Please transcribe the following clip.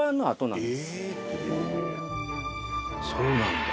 そうなんだ。